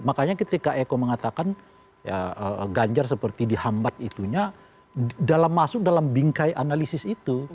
makanya ketika eko mengatakan ganjar seperti dihambat itunya dalam masuk dalam bingkai analisis itu